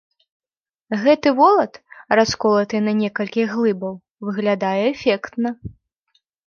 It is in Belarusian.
Гэты волат, расколаты на некалькі глыбаў, выглядае эфектна.